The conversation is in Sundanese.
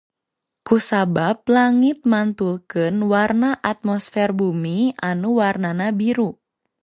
Kusabab langit mantulkeun warna atmosfer bumi anu warna na biru